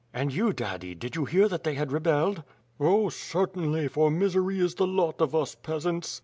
"And you, daddy, did you hear that they had rebelled?" "Oh, certainly, for misery is the lot of us peasants."